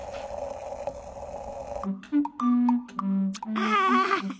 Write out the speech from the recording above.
ああ。